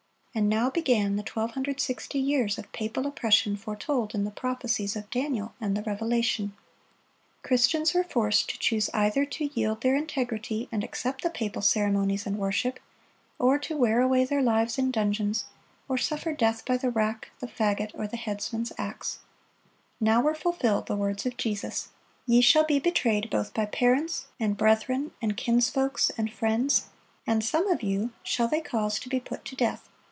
(80) And now began the 1260 years of papal oppression foretold in the prophecies of Daniel and the Revelation.(81) Christians were forced to choose either to yield their integrity and accept the papal ceremonies and worship, or to wear away their lives in dungeons or suffer death by the rack, the fagot, or the heads man's axe. Now were fulfilled the words of Jesus: "Ye shall be betrayed both by parents, and brethren, and kins folks, and friends; and some of you shall they cause to be put to death.